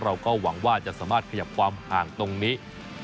เราก็หวังว่าจะสามารถขยับความห่างตรงนี้